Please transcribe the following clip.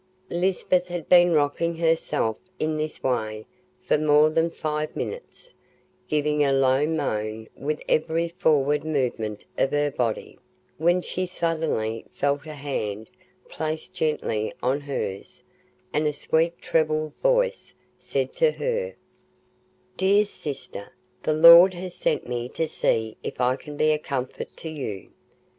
Lisbeth had been rocking herself in this way for more than five minutes, giving a low moan with every forward movement of her body, when she suddenly felt a hand placed gently on hers, and a sweet treble voice said to her, "Dear sister, the Lord has sent me to see if I can be a comfort to you."